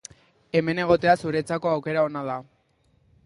Hemen egotea zuretzako aukera ona da.